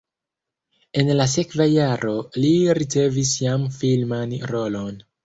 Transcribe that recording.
En la sekva jaro li ricevis jam filman rolon.